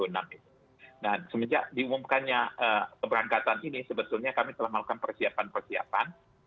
nah semenjak diumumkannya keberangkatan ini sebetulnya kami telah melakukan persiapan persiapan